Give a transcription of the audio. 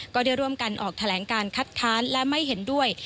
ก็ได้ร่วมกันออกแถลงการคัดค้านและไม่เห็นด้วย